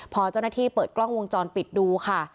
พอเจ้าหน้าที่เปิดกล้องวงจรปิดดูค่ะ